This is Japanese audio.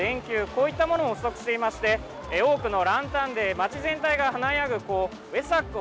こういったものも不足していまして多くのランタンで街全体が華やぐこうウェサック